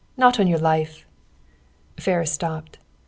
"Not on your life!" Ferris stopped.